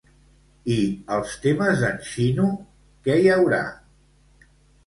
I als temes d'en Xino què hi haurà?